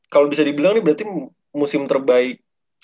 kalau bisa dibilang nih berarti musim terbaik